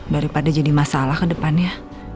daripada jadi masalah ke depannya